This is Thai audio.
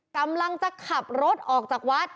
กำลังจะขับรถออกจากวัด